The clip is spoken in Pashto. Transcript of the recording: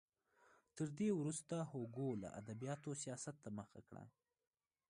تر دې وروسته هوګو له ادبیاتو سیاست ته مخه کړه.